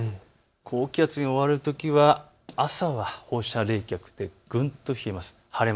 高気圧に覆われるときは朝は放射冷却でぐんと冷えます。